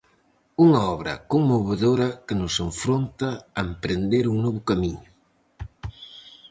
Unha obra conmovedora que nos enfronta a emprender un novo camiño.